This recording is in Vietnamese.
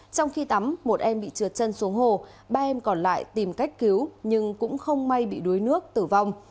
trong khi tắm một em bị trượt chân xuống hồ ba em còn lại tìm cách cứu nhưng cũng không may bị đuối nước tử vong